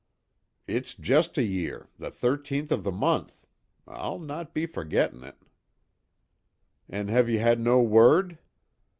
"It's just a year the thirteenth of the month. I'll not be forgetting it." "An' have you had no word?"